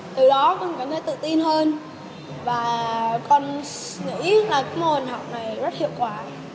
từ đó con cảm thấy tự tin hơn và con nghĩ là cái mô hình học này rất hiệu quả